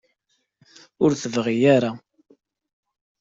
Ur tt-tebɣi ara.